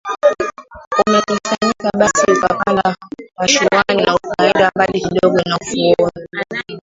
umekusanyika Basi akapanda mashuani na kuenda mbali kidogo na ufuoni